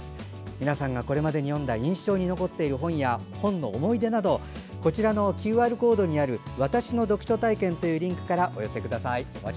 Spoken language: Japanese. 皆さんがこれまでに呼んだ印象に残っている本や本の思い出などこちらのＱＲコードにある「私の読書体験」というリンクからお寄せください。